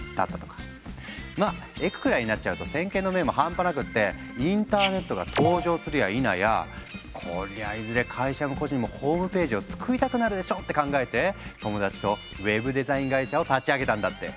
まあエクくらいになっちゃうと先見の明も半端なくってインターネットが登場するやいなや「こりゃいずれ会社も個人もホームページを作りたくなるでしょ」って考えて友達とウェブデザイン会社を立ち上げたんだって。